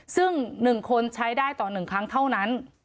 ซึ่ง๑คนใช้ได้ต่อ๑ครั้งเท่านั้น